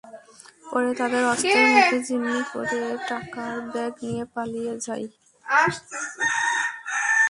পরে তাঁদের অস্ত্রের মুখে জিম্মি করে টাকার ব্যাগ নিয়ে পালিয়ে যায়।